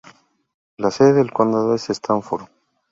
La sede del condado es Stanford.